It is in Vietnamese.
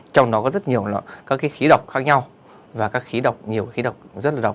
trong đó có rất nhiều các cái khí độc khác nhau và các khí độc nhiều khí độc rất là rộng